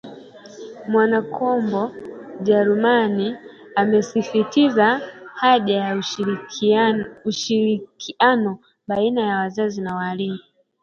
Mwanakombo Jarumani amesisitiza haja ya ushirikiano baina ya wazazi na walimu